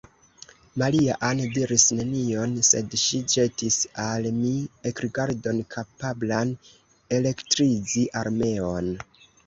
Maria-Ann diris nenion; sed ŝi ĵetis al mi ekrigardon, kapablan elektrizi armeon.